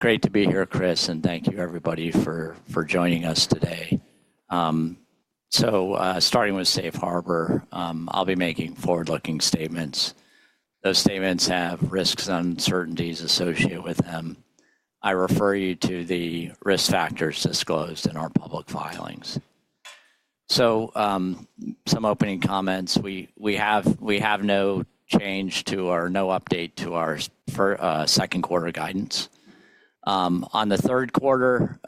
Great to be here, Chris, and thank you, everybody, for joining us today. So, starting with safe harbor, I'll be making forward-looking statements. Those statements have risks and uncertainties associated with them. I refer you to the risk factors disclosed in our public filings. So, some opening comments: we have no update to our second quarter guidance. On the third quarter,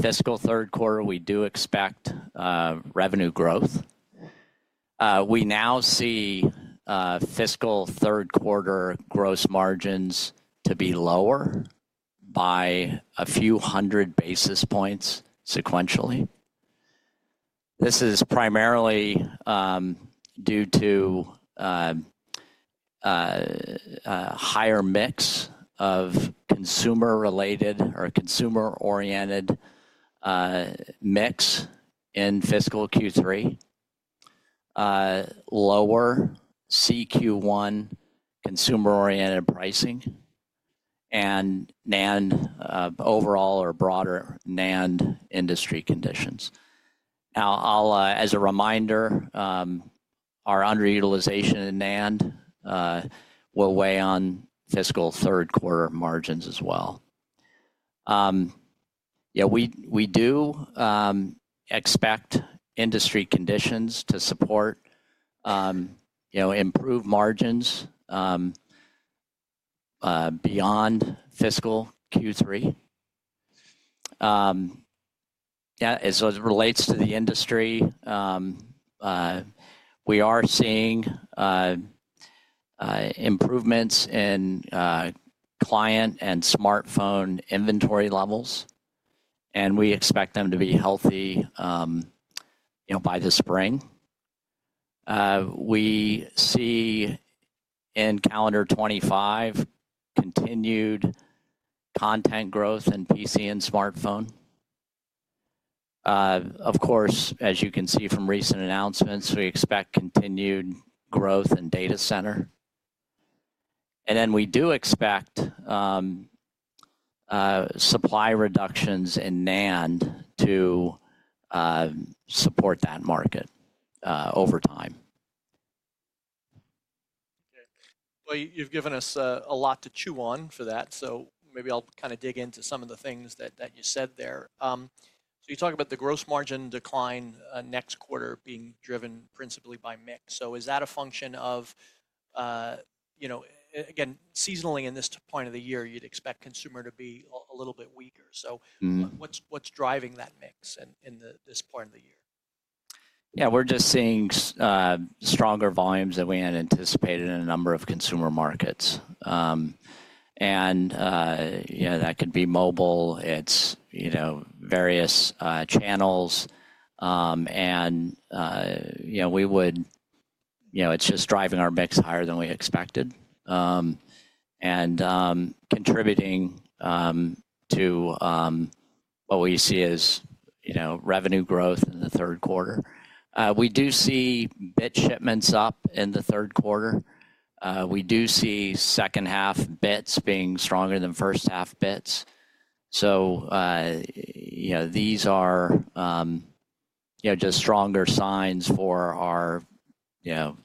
fiscal third quarter, we do expect revenue growth. We now see fiscal third quarter gross margins to be lower by a few hundred basis points sequentially. This is primarily due to a higher mix of consumer-related or consumer-oriented mix in fiscal Q3, lower CQ1 consumer-oriented pricing, and overall, or broader, NAND industry conditions. Now, as a reminder, our underutilization in NAND will weigh on fiscal third quarter margins as well. Yeah, we do expect industry conditions to support improved margins beyond fiscal Q3. Yeah, as it relates to the industry, we are seeing improvements in client and smartphone inventory levels, and we expect them to be healthy by this spring. We see in calendar 2025 continued content growth in PC and smartphone. Of course, as you can see from recent announcements, we expect continued growth in data center, and then we do expect supply reductions in NAND to support that market over time. Okay. Well, you've given us a lot to chew on for that, so maybe I'll kind of dig into some of the things that you said there. So you talk about the gross margin decline next quarter being driven principally by mix. So is that a function of, again, seasonally in this point of the year, you'd expect consumer to be a little bit weaker? So what's driving that mix in this point of the year? Yeah, we're just seeing stronger volumes than we had anticipated in a number of consumer markets. And that could be mobile. It's various channels, and it's just driving our mix higher than we expected and contributing to what we see as revenue growth in the third quarter. We do see bit shipments up in the third quarter. We do see second half bits being stronger than first half bits. So these are just stronger signs for our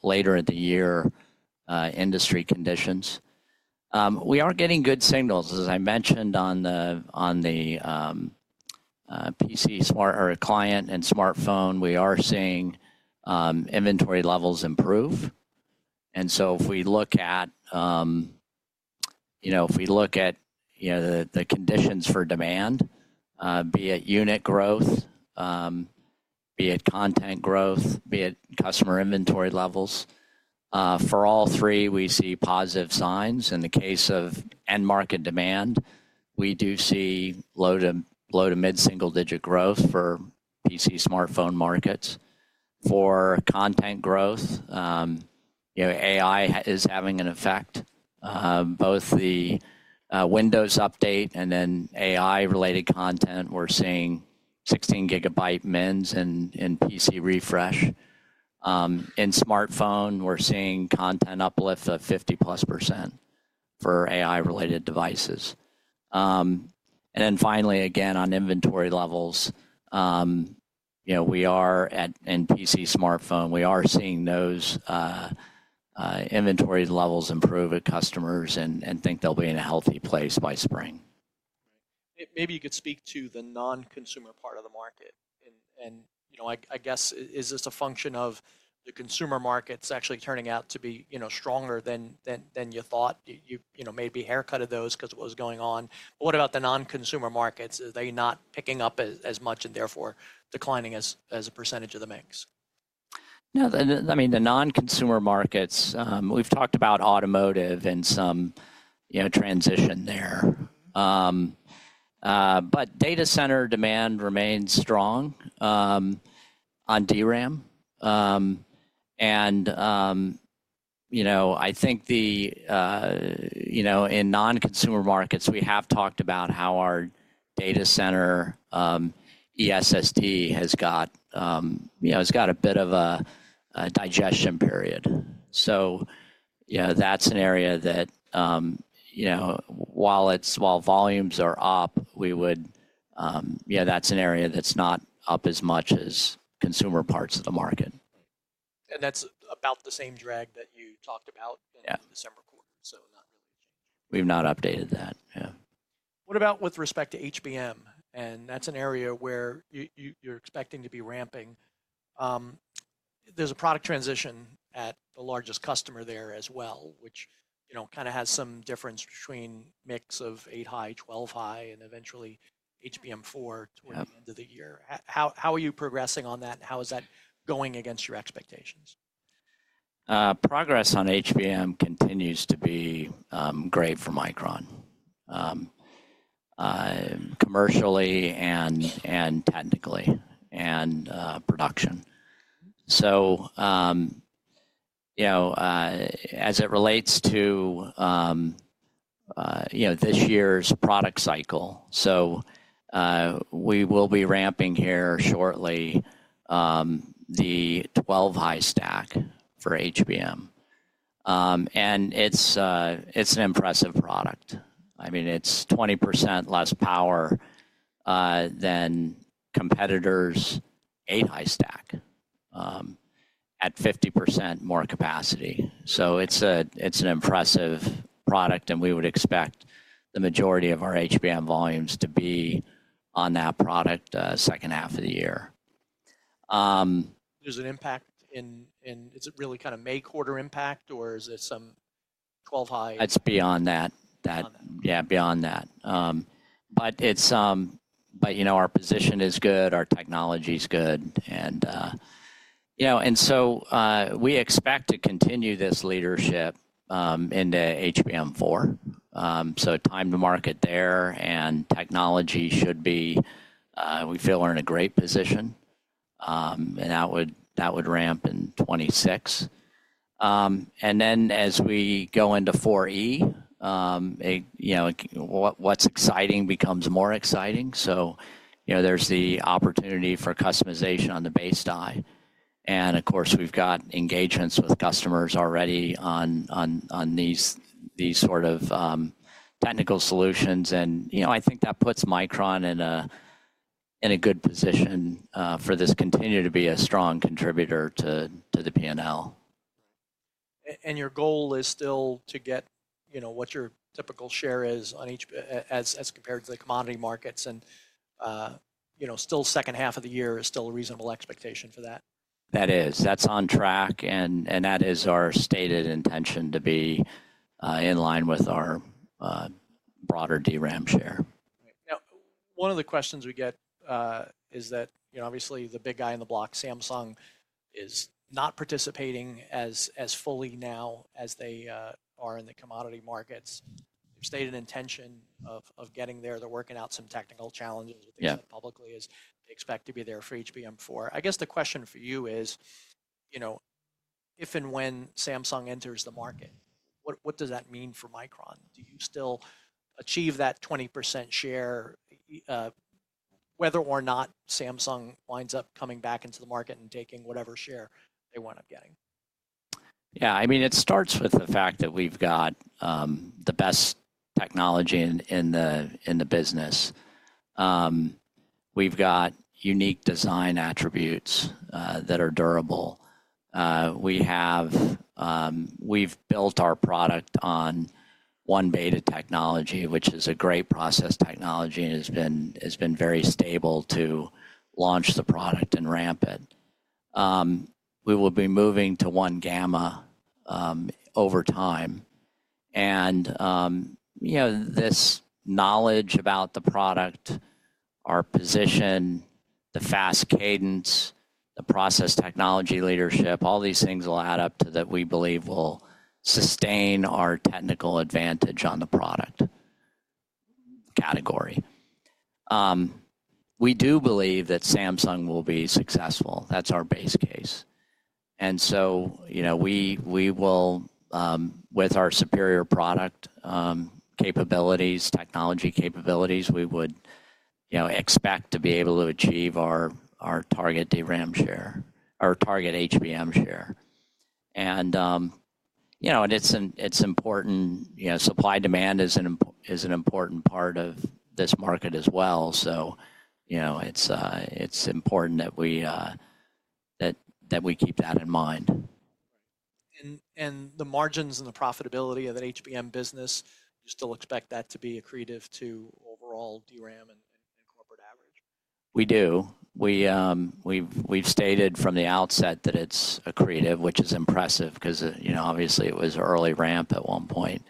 later in the year industry conditions. We are getting good signals. As I mentioned on the PC client and smartphone, we are seeing inventory levels improve. And so if we look at the conditions for demand, be it unit growth, be it content growth, be it customer inventory levels, for all three, we see positive signs. In the case of end market demand, we do see low to mid-single digit growth for PC smartphone markets. For content growth, AI is having an effect. Both the Windows update and then AI-related content, we're seeing 16-gigabyte DIMMs in PC refresh. In smartphone, we're seeing content uplift of 50+% for AI-related devices. And then finally, again, on inventory levels, we are in PC smartphone, we are seeing those inventory levels improve at customers and think they'll be in a healthy place by spring. Right. Maybe you could speak to the non-consumer part of the market. And I guess, is this a function of the consumer markets actually turning out to be stronger than you thought? You maybe haircut those because of what was going on. But what about the non-consumer markets? Are they not picking up as much and therefore declining as a percentage of the mix? No. I mean, the non-consumer markets, we've talked about automotive and some transition there. But data center demand remains strong on DRAM. And I think in non-consumer markets, we have talked about how our data center eSSD has got a bit of a digestion period. So that's an area that, while volumes are up, that's an area that's not up as much as consumer parts of the market. That's about the same drag that you talked about in December quarter, so not really a change. We've not updated that, yeah. What about with respect to HBM? And that's an area where you're expecting to be ramping. There's a product transition at the largest customer there as well, which kind of has some difference between mix of 8-high, 12-high, and eventually HBM4 toward the end of the year. How are you progressing on that, and how is that going against your expectations? Progress on HBM continues to be great for Micron commercially and technically and production. So as it relates to this year's product cycle, we will be ramping here shortly the 12-high stack for HBM. And it's an impressive product. I mean, it's 20% less power than competitors' 8-high stack at 50% more capacity. So it's an impressive product, and we would expect the majority of our HBM volumes to be on that product second half of the year. There's an impact in. Is it really kind of May quarter impact, or is it some 12-high? That's beyond that. Yeah, beyond that. But our position is good, our technology's good. And so we expect to continue this leadership into HBM4. So time to market there and technology should be. We feel we're in a great position. And that would ramp in 2026. And then as we go into 4E, what's exciting becomes more exciting. So there's the opportunity for customization on the base die. And of course, we've got engagements with customers already on these sort of technical solutions. And I think that puts Micron in a good position for this, continue to be a strong contributor to the P&L. Your goal is still to get what your typical share is as compared to the commodity markets. Still, second half of the year is still a reasonable expectation for that. That is. That's on track, and that is our stated intention to be in line with our broader DRAM share. Now, one of the questions we get is that, obviously, the big guy on the block, Samsung, is not participating as fully now as they are in the commodity markets. They've stated intention of getting there. They're working out some technical challenges with HBM publicly as they expect to be there for HBM4. I guess the question for you is, if and when Samsung enters the market, what does that mean for Micron? Do you still achieve that 20% share, whether or not Samsung winds up coming back into the market and taking whatever share they wound up getting? Yeah. I mean, it starts with the fact that we've got the best technology in the business. We've got unique design attributes that are durable. We've built our product on 1-beta technology, which is a great process technology and has been very stable to launch the product and ramp it. We will be moving to 1-gamma over time. And this knowledge about the product, our position, the fast cadence, the process technology leadership, all these things will add up to that we believe will sustain our technical advantage on the product category. We do believe that Samsung will be successful. That's our base case. And so we will, with our superior product capabilities, technology capabilities, we would expect to be able to achieve our target DRAM share, our target HBM share. And it's important. Supply demand is an important part of this market as well. So it's important that we keep that in mind. Right. And the margins and the profitability of that HBM business, do you still expect that to be accretive to overall DRAM and corporate average? We do. We've stated from the outset that it's accretive, which is impressive because, obviously, it was early ramp at one point.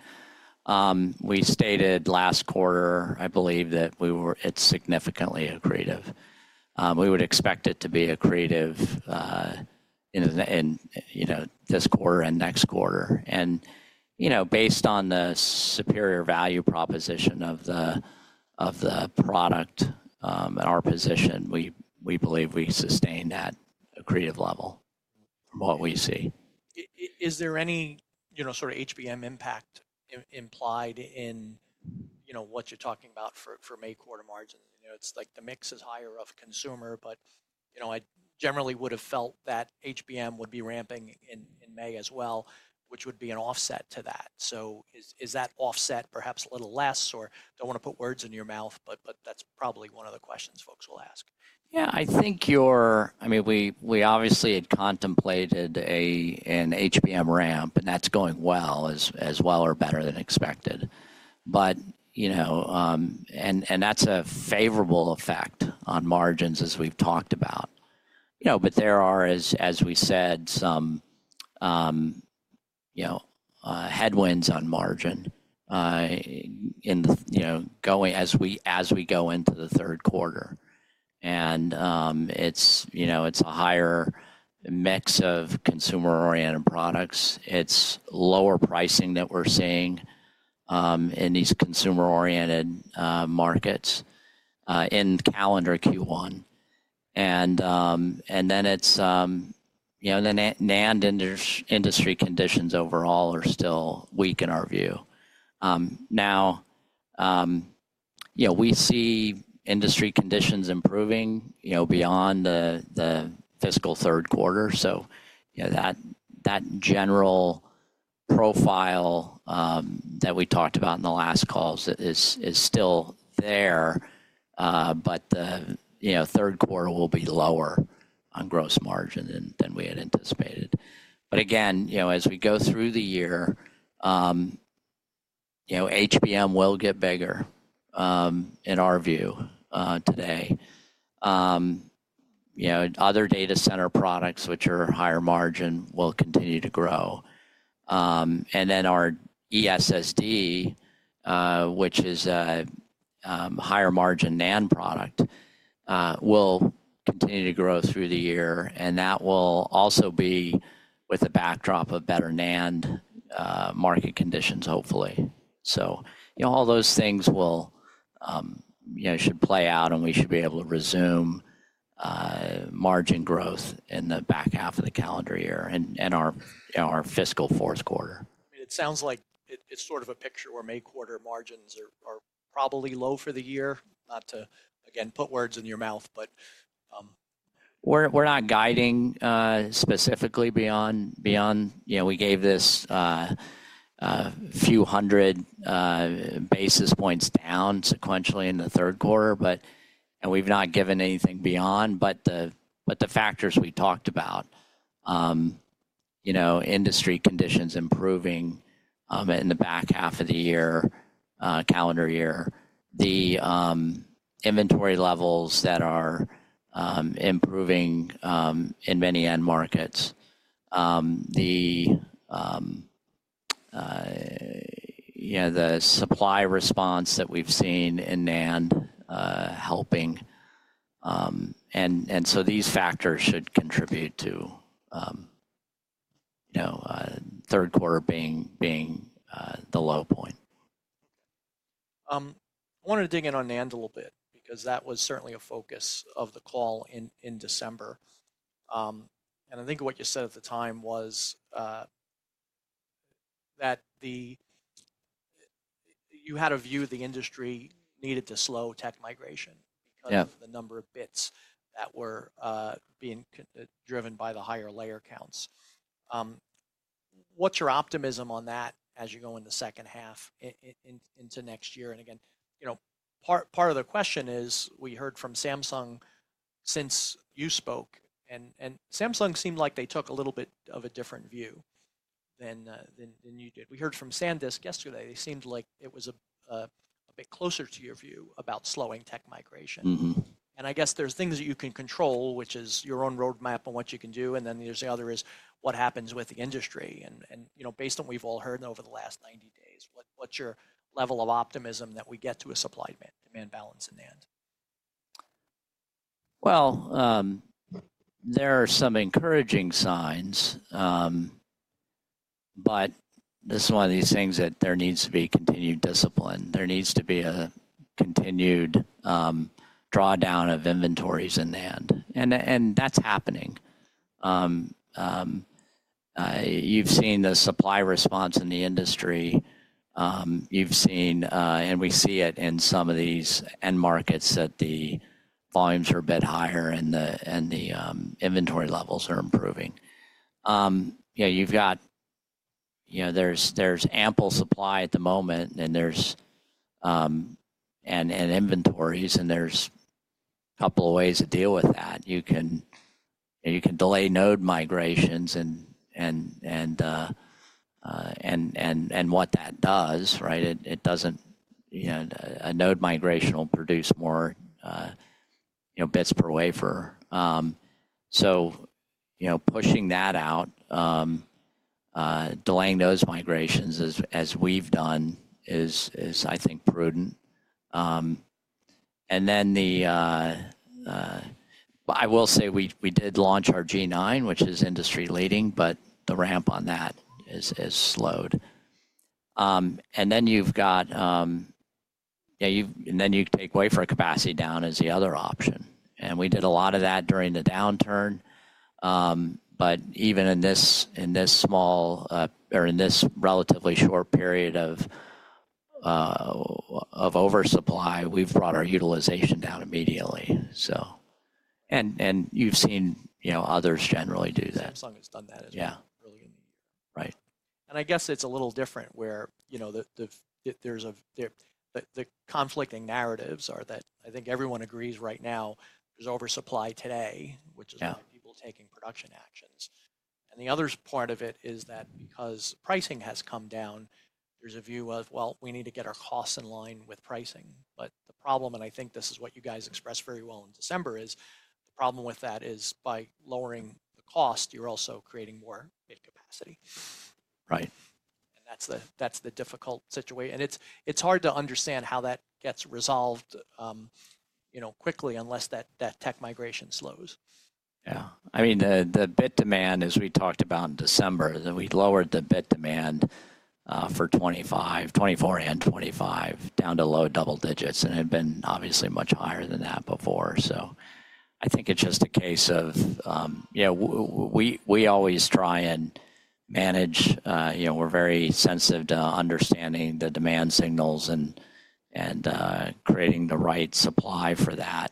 We stated last quarter, I believe, that we were significantly accretive. We would expect it to be accretive in this quarter and next quarter, and based on the superior value proposition of the product and our position, we believe we sustain that accretive level from what we see. Is there any sort of HBM impact implied in what you're talking about for May quarter margins? It's like the mix is higher of consumer, but I generally would have felt that HBM would be ramping in May as well, which would be an offset to that. So is that offset perhaps a little less, or don't want to put words in your mouth, but that's probably one of the questions folks will ask. Yeah. I think your—I mean, we obviously had contemplated an HBM ramp, and that's going well as well or better than expected. And that's a favorable effect on margins, as we've talked about. But there are, as we said, some headwinds on margin as we go into the third quarter. And it's a higher mix of consumer-oriented products. It's lower pricing that we're seeing in these consumer-oriented markets in calendar Q1. And then NAND industry conditions overall are still weak in our view. Now, we see industry conditions improving beyond the fiscal third quarter. So that general profile that we talked about in the last calls is still there, but the third quarter will be lower on gross margin than we had anticipated. But again, as we go through the year, HBM will get bigger in our view today. Other data center products, which are higher margin, will continue to grow. And then our ESSD, which is a higher margin NAND product, will continue to grow through the year. And that will also be with the backdrop of better NAND market conditions, hopefully. So all those things should play out, and we should be able to resume margin growth in the back half of the calendar year and our fiscal fourth quarter. I mean, it sounds like it's sort of a picture where May quarter margins are probably low for the year. Not to, again, put words in your mouth, but. We're not guiding specifically beyond. We gave this a few hundred basis points down sequentially in the third quarter, and we've not given anything beyond. But the factors we talked about, industry conditions improving in the back half of the year, calendar year, the inventory levels that are improving in many end markets, the supply response that we've seen in NAND helping. And so these factors should contribute to third quarter being the low point. I wanted to dig in on NAND a little bit because that was certainly a focus of the call in December. And I think what you said at the time was that you had a view the industry needed to slow tech migration because of the number of bits that were being driven by the higher layer counts. What's your optimism on that as you go into second half into next year? And again, part of the question is we heard from Samsung since you spoke, and Samsung seemed like they took a little bit of a different view than you did. We heard from SanDisk yesterday. They seemed like it was a bit closer to your view about slowing tech migration. And I guess there's things that you can control, which is your own roadmap and what you can do. And then there's the other is what happens with the industry. And based on what we've all heard over the last 90 days, what's your level of optimism that we get to a supply-demand balance in NAND? There are some encouraging signs, but this is one of these things that there needs to be continued discipline. There needs to be a continued drawdown of inventories in NAND. And that's happening. You've seen the supply response in the industry. And we see it in some of these end markets that the volumes are a bit higher and the inventory levels are improving. There's ample supply at the moment and inventories, and there's a couple of ways to deal with that. You can delay node migrations and what that does, right? A node migration will produce more bits per wafer. So pushing that out, delaying those migrations as we've done is, I think, prudent. And then I will say we did launch our G9, which is industry-leading, but the ramp on that has slowed. And then you take wafer capacity down as the other option. We did a lot of that during the downturn. Even in this relatively short period of oversupply, we've brought our utilization down immediately. You've seen others generally do that. Samsung has done that as well early in the year. Right. And I guess it's a little different where the conflicting narratives are that I think everyone agrees right now there's oversupply today, which is why people are taking production actions. And the other part of it is that because pricing has come down, there's a view of, "Well, we need to get our costs in line with pricing." But the problem, and I think this is what you guys expressed very well in December, is the problem with that is by lowering the cost, you're also creating more capacity. Right. That's the difficult situation. It's hard to understand how that gets resolved quickly unless that tech migration slows. Yeah. I mean, the bit demand, as we talked about in December, we lowered the bit demand for 2024 and 2025 down to low double digits. And it had been obviously much higher than that before. So I think it's just a case of we always try and manage. We're very sensitive to understanding the demand signals and creating the right supply for that.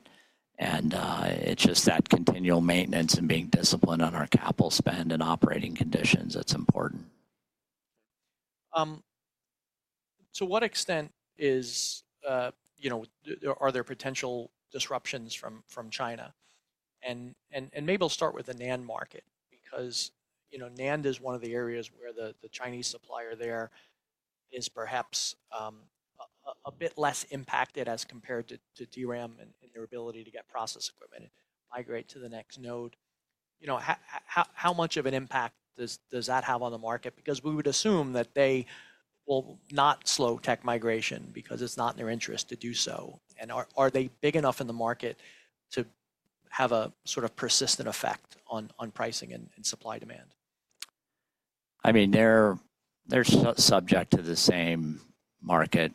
And it's just that continual maintenance and being disciplined on our capital spend and operating conditions that's important. To what extent are there potential disruptions from China? And maybe we'll start with the NAND market because NAND is one of the areas where the Chinese supplier there is perhaps a bit less impacted as compared to DRAM and their ability to get process equipment and migrate to the next node. How much of an impact does that have on the market? Because we would assume that they will not slow tech migration because it's not in their interest to do so. And are they big enough in the market to have a sort of persistent effect on pricing and supply demand? I mean, they're subject to the same market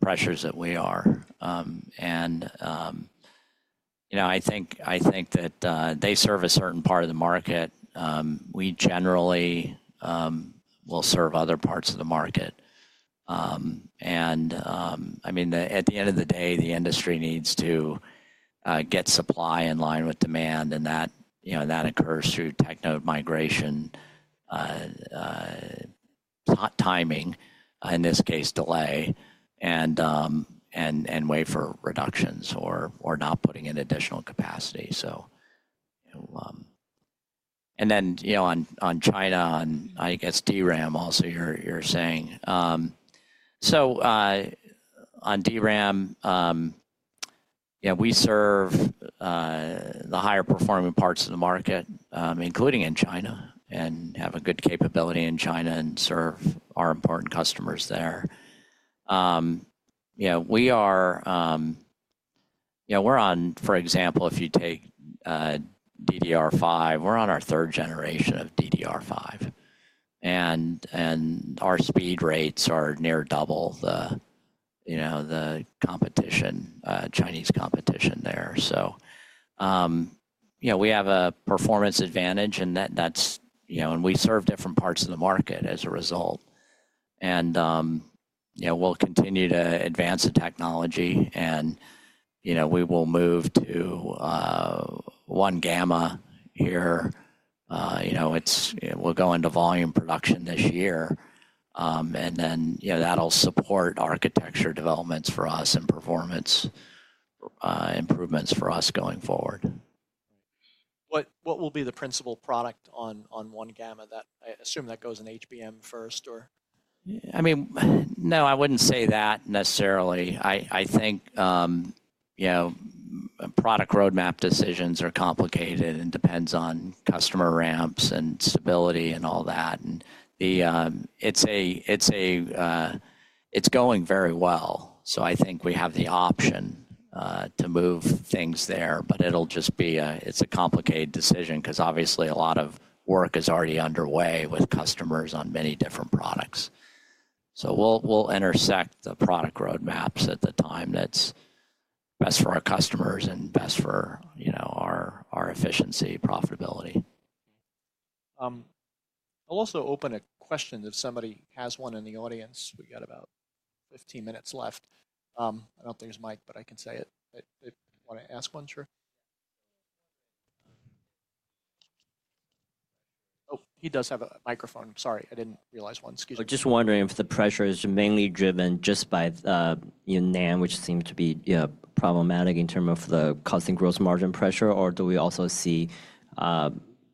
pressures that we are. And I think that they serve a certain part of the market. We generally will serve other parts of the market. And I mean, at the end of the day, the industry needs to get supply in line with demand. And that occurs through tech node migration, timing, in this case, delay, and wafer reductions or not putting in additional capacity. And then on China, I guess DRAM also you're saying. So on DRAM, we serve the higher performing parts of the market, including in China, and have a good capability in China and serve our important customers there. We're on, for example, if you take DDR5, we're on our third generation of DDR5. And our speed rates are near double the Chinese competition there. We have a performance advantage, and we serve different parts of the market as a result. We'll continue to advance the technology, and we will move to 1-gamma here. We'll go into volume production this year. That'll support architecture developments for us and performance improvements for us going forward. Right. What will be the principal product on 1-gamma? I assume that goes in HBM first, or? I mean, no, I wouldn't say that necessarily. I think product roadmap decisions are complicated and depends on customer ramps and stability and all that, and it's going very well, so I think we have the option to move things there, but it'll just be a, it's a complicated decision because obviously a lot of work is already underway with customers on many different products, so we'll intersect the product roadmaps at the time that's best for our customers and best for our efficiency, profitability. I'll also open a question if somebody has one in the audience. We've got about 15 minutes left. I don't think there's a mic, but I can say it. They want to ask one, sure? Oh, he does have a microphone. Sorry, I didn't realize one. Excuse me. Just wondering if the pressure is mainly driven just by NAND, which seems to be problematic in terms of the cost and gross margin pressure, or do we also see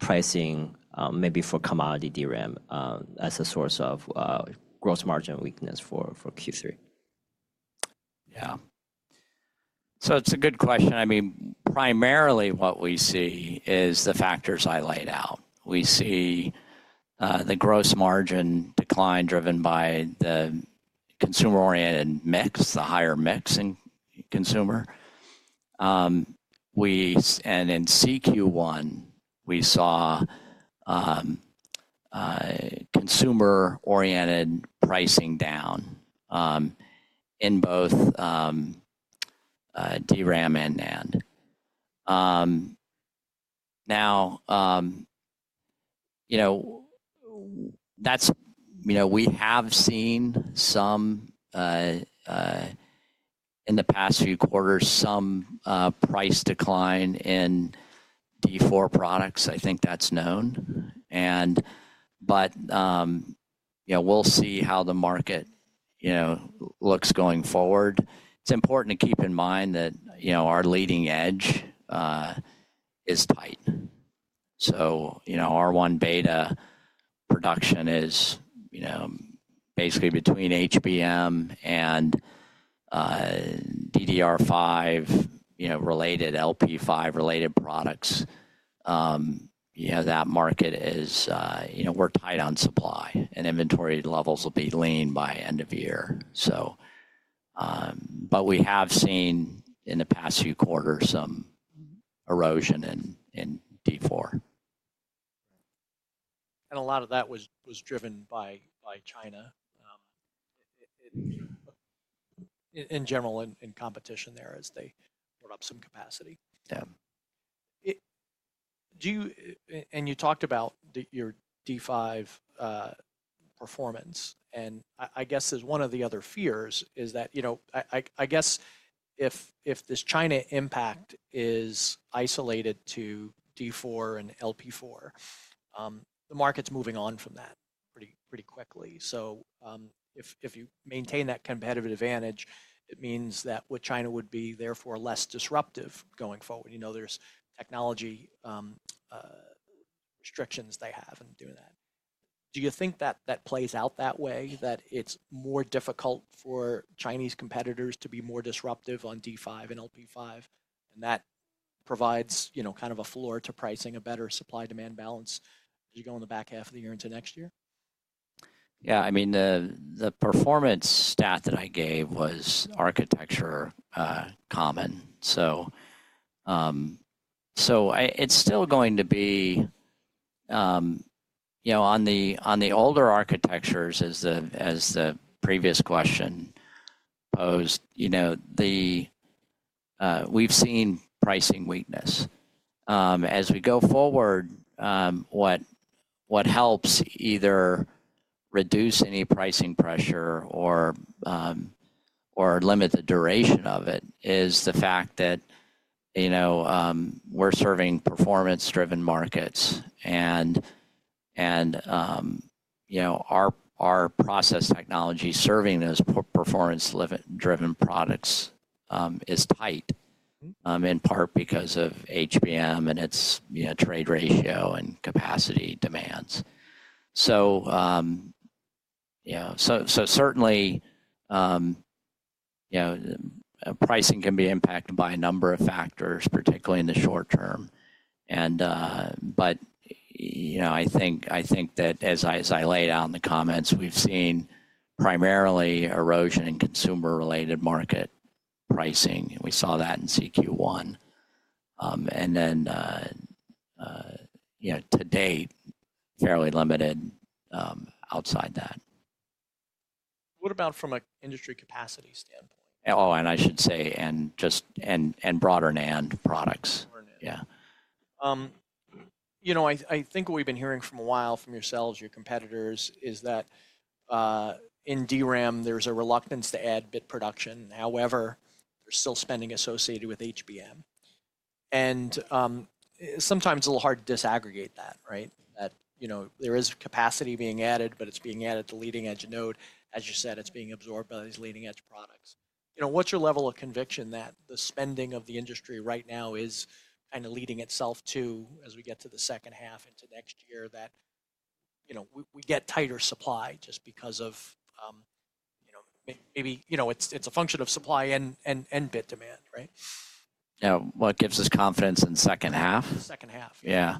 pricing maybe for commodity DRAM as a source of gross margin weakness for Q3? Yeah. So it's a good question. I mean, primarily what we see is the factors I laid out. We see the gross margin decline driven by the consumer-oriented mix, the higher mixing consumer. And in Q1, we saw consumer-oriented pricing down in both DRAM and NAND. Now, we have seen in the past few quarters some price decline in D4 products. I think that's known. But we'll see how the market looks going forward. It's important to keep in mind that our leading edge is tight. So 1-beta production is basically between HBM and DDR5 related, LP5 related products. That market is. We're tight on supply. And inventory levels will be lean by end of year. But we have seen in the past few quarters some erosion in D4. A lot of that was driven by China, in general, in competition there as they put up some capacity. Yeah. And you talked about your D5 performance. And I guess one of the other fears is that I guess if this China impact is isolated to D4 and LP4, the market's moving on from that pretty quickly. So if you maintain that competitive advantage, it means that China would be therefore less disruptive going forward. There's technology restrictions they have in doing that. Do you think that that plays out that way, that it's more difficult for Chinese competitors to be more disruptive on D5 and LP5, and that provides kind of a floor to pricing a better supply-demand balance as you go in the back half of the year into next year? Yeah. I mean, the performance stat that I gave was architecture common. So it's still going to be on the older architectures, as the previous question posed, we've seen pricing weakness. As we go forward, what helps either reduce any pricing pressure or limit the duration of it is the fact that we're serving performance-driven markets. And our process technology serving those performance-driven products is tight, in part because of HBM and its trade ratio and capacity demands. So certainly, pricing can be impacted by a number of factors, particularly in the short term. But I think that as I laid out in the comments, we've seen primarily erosion in consumer-related market pricing. We saw that in Q1. And then to date, fairly limited outside that. What about from an industry capacity standpoint? Oh, and I should say broader NAND products. Yeah. I think what we've been hearing for a while from yourselves, your competitors, is that in DRAM, there's a reluctance to add bit production. However, there's still spending associated with HBM, and sometimes it's a little hard to disaggregate that, right? That there is capacity being added, but it's being added to leading edge node. As you said, it's being added to leading edge products. What's your level of conviction that the spending of the industry right now is kind of leading itself to, as we get to the second half into next year, that we get tighter supply just because of maybe it's a function of supply and bit demand, right? Yeah. What gives us confidence in the second half? Second half. Yeah.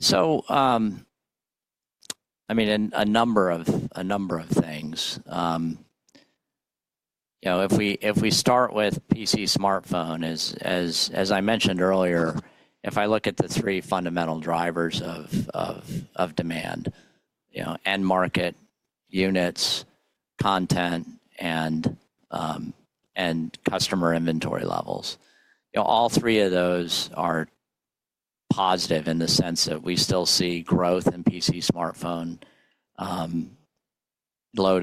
So I mean, a number of things. If we start with PC smartphone, as I mentioned earlier, if I look at the three fundamental drivers of demand: end market, units, content, and customer inventory levels, all three of those are positive in the sense that we still see growth in PC smartphone, low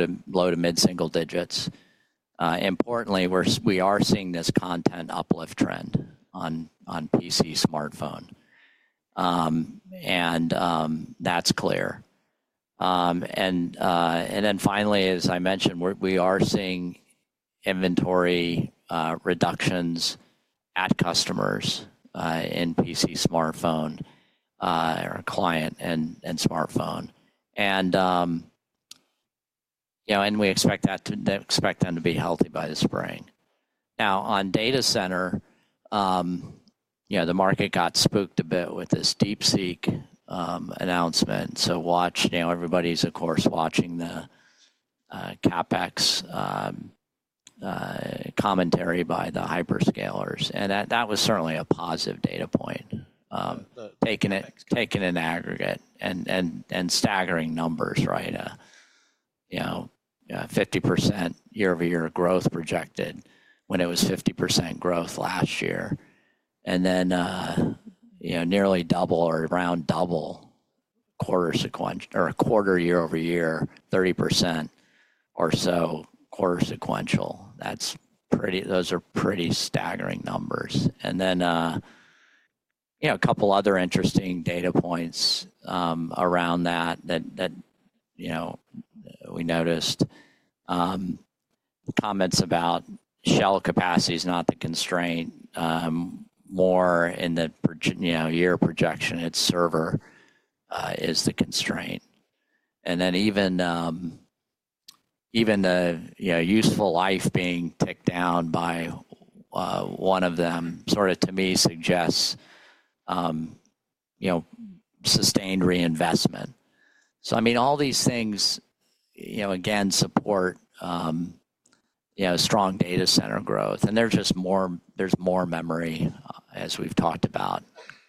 to mid-single digits. Importantly, we are seeing this content uplift trend on PC smartphone. And that's clear. And then finally, as I mentioned, we are seeing inventory reductions at customers in PC smartphone or client and smartphone. And we expect them to be healthy by the spring. Now, on data center, the market got spooked a bit with this DeepSeek announcement. So everybody's, of course, watching the CapEx commentary by the hyperscalers. And that was certainly a positive data point, taken in aggregate and staggering numbers, right? 50% year-over-year growth projected when it was 50% growth last year. And then nearly double or around double quarter year-over-year, 30% or so quarter sequential. Those are pretty staggering numbers. And then a couple of other interesting data points around that that we noticed. Comments about shelf capacity is not the constraint. More in the year projection, it's server is the constraint. And then even the useful life being ticked down by one of them sort of, to me, suggests sustained reinvestment. So I mean, all these things, again, support strong data center growth. And there's more memory, as we've talked about,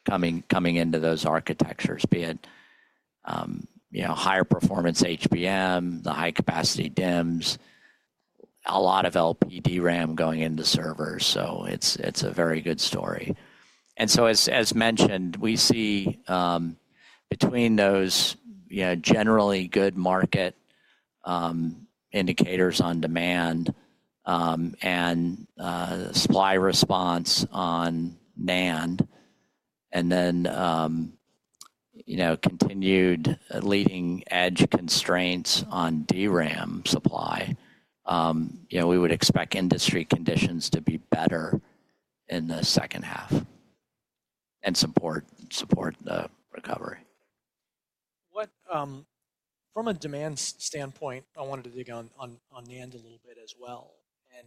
coming into those architectures, be it higher performance HBM, the high-capacity DIMMs, a lot of LPDRAM going into servers. So it's a very good story. And so as mentioned, we see between those generally good market indicators on demand and supply response on NAND, and then continued leading edge constraints on DRAM supply, we would expect industry conditions to be better in the second half and support the recovery. From a demand standpoint, I wanted to dig on NAND a little bit as well. And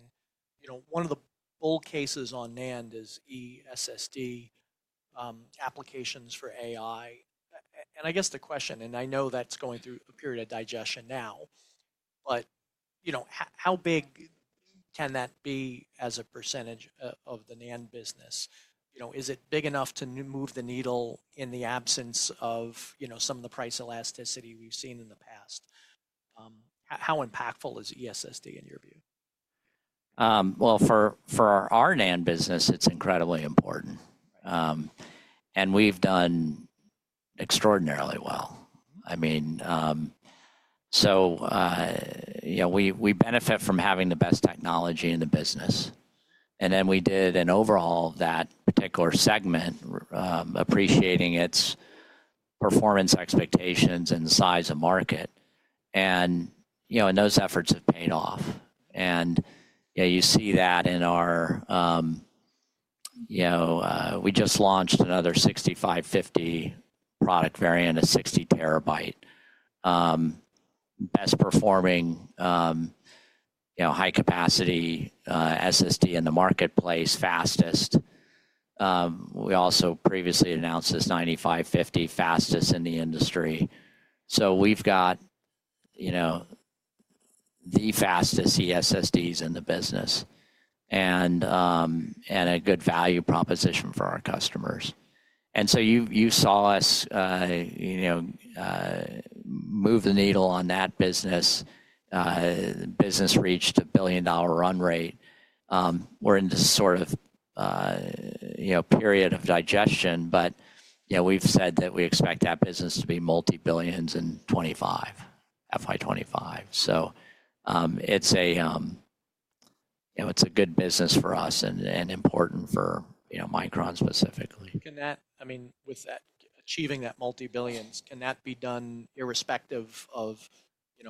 one of the bull cases on NAND is eSSD applications for AI. And I guess the question, and I know that's going through a period of digestion now, but how big can that be as a percentage of the NAND business? Is it big enough to move the needle in the absence of some of the price elasticity we've seen in the past? How impactful is eSSD in your view? For our NAND business, it's incredibly important. And we've done extraordinarily well. I mean, so we benefit from having the best technology in the business. And then we did an overhaul of that particular segment, appreciating its performance expectations and size of market. And those efforts have paid off. And you see that in our we just launched another 6550 product variant, a 60-terabyte, best-performing high-capacity SSD in the marketplace, fastest. We also previously announced this 9550, fastest in the industry. So we've got the fastest eSSDs in the business and a good value proposition for our customers. And so you saw us move the needle on that business, business reached a $1 billion run rate. We're in this sort of period of digestion, but we've said that we expect that business to be multibillions in 2025, FY 2025. It's a good business for us and important for Micron specifically. I mean, with achieving that multibillions, can that be done irrespective of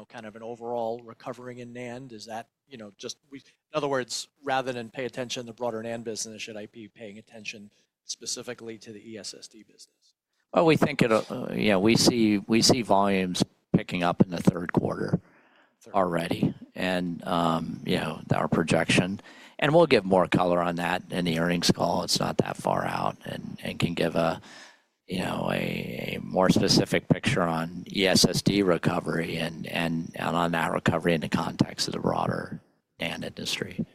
kind of an overall recovery in NAND? Is that just, in other words, rather than pay attention to the broader NAND business, should I be paying attention specifically to the eSSD business? We think we see volumes picking up in the third quarter already and our projection. We'll give more color on that in the earnings call. It's not that far out and can give a more specific picture on eSSD recovery and on that recovery in the context of the broader NAND industry.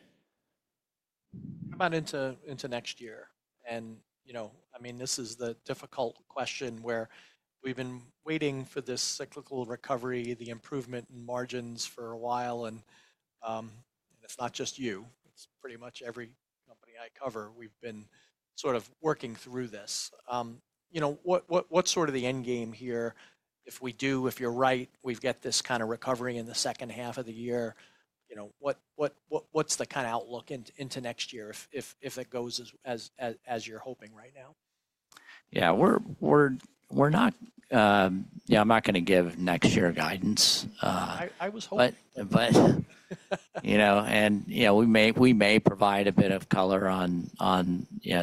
How about into next year? And I mean, this is the difficult question where we've been waiting for this cyclical recovery, the improvement in margins for a while. And it's not just you. It's pretty much every company I cover. We've been sort of working through this. What's sort of the end game here? If you're right, we've got this kind of recovery in the second half of the year, what's the kind of outlook into next year if it goes as you're hoping right now? Yeah. I'm not going to give next year guidance. I was hoping. And we may provide a bit of color on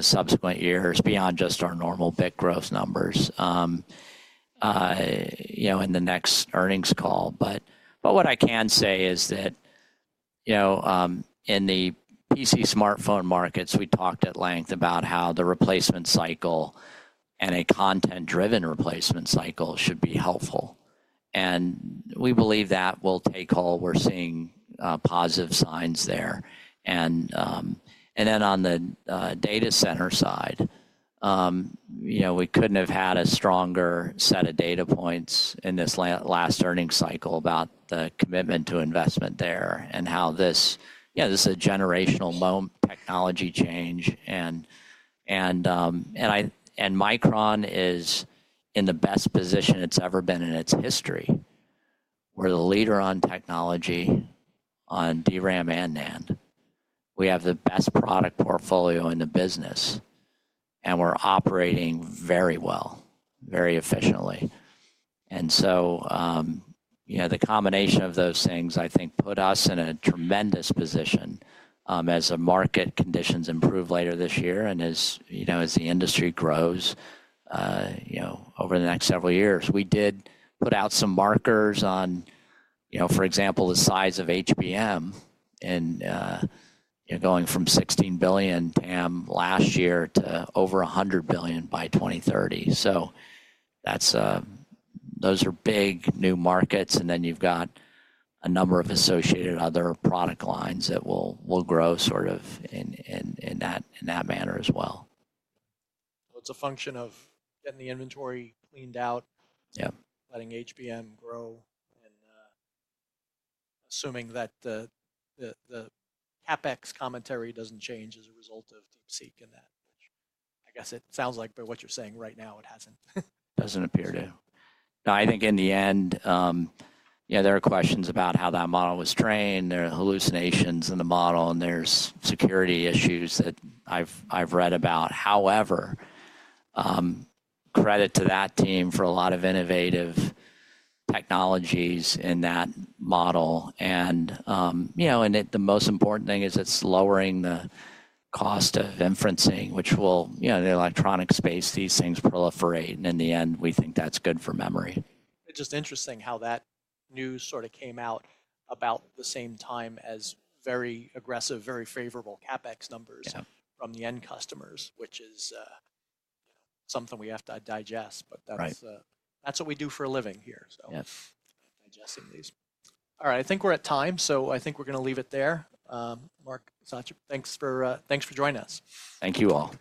subsequent years beyond just our normal big growth numbers in the next earnings call. But what I can say is that in the PC smartphone markets, we talked at length about how the replacement cycle and a content-driven replacement cycle should be helpful. And we believe that will take hold. We're seeing positive signs there. And then on the data center side, we couldn't have had a stronger set of data points in this last earnings cycle about the commitment to investment there and how this is a generational moment technology change. And Micron is in the best position it's ever been in its history. We're the leader on technology on DRAM and NAND. We have the best product portfolio in the business. And we're operating very well, very efficiently. And so the combination of those things, I think, put us in a tremendous position as the market conditions improve later this year and as the industry grows over the next several years. We did put out some markers on, for example, the size of HBM and going from 16 billion TAM last year to over 100 billion by 2030. So those are big new markets. And then you've got a number of associated other product lines that will grow sort of in that manner as well. So it's a function of getting the inventory cleaned out, letting HBM grow, and assuming that the CapEx commentary doesn't change as a result of DeepSeek in that. I guess it sounds like, but what you're saying right now, it hasn't. Doesn't appear to. No, I think in the end there are questions about how that model was trained. There are hallucinations in the model. And there's security issues that I've read about. However, credit to that team for a lot of innovative technologies in that model. And the most important thing is it's lowering the cost of inferencing, which will, in the electronics space, these things proliferate. And in the end, we think that's good for memory. It's just interesting how that news sort of came out about the same time as very aggressive, very favorable CapEx numbers from the end customers, which is something we have to digest. But that's what we do for a living here, so digesting these. All right. I think we're at time. So I think we're going to leave it there. Mark Murphy, thanks for joining us. Thank you all.